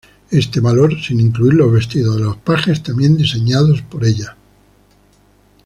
Este valor sin incluir los vestidos de los pajes tambien diseñados por ella.